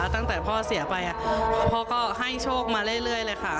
ตั้งแต่พ่อเสียไปพ่อก็ให้โชคมาเรื่อยเลยค่ะ